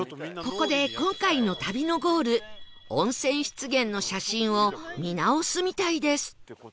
ここで今回の旅のゴール温泉湿原の写真を見直すみたいです